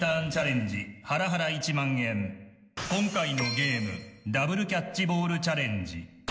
今回のゲームダブルキャッチボールチャレンジ。